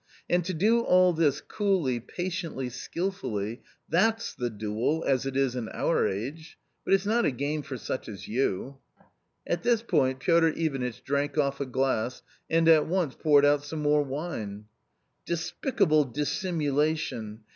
And to do all this, coolly, patiently, skilfully — that's the duel as it is in our age ! But it's not a game for such as you !" At this point Piotr Ivanitch drank off a glass and at once poured out some more wine. " Despicable dissimulation